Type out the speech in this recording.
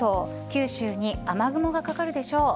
九州に雨雲がかかるでしょう。